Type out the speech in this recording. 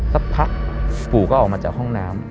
สักพักปู่ก็ออกมาจากห้องน้ำ